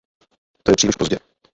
To je příliš pozdě.